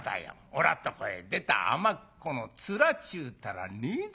おらとこへ出たあまっこの面ちゅうたらねえだ。